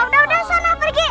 udah udah sana pergi